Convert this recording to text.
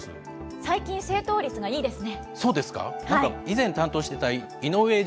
最近、正答率がいいですね。